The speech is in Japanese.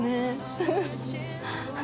フフフ。